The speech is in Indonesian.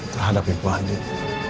terhadap ibu andin